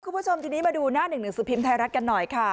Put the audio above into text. คุณผู้ชมทีนี้มาดูหน้า๑๑สุพิมพ์ไทยรัฐกันหน่อยค่ะ